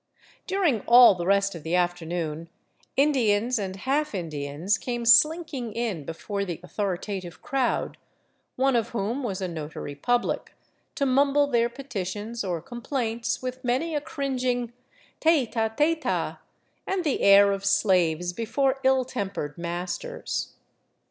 During all the rest of the afternoon Indians and half Indians came slinking in before the authoritative crowd, one of whom was a notary public, to mumble their petitions or complaints with many a cringing *' tayta tayta," and the air of slaves before ill tempered masters.